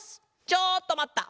ちょっとまった！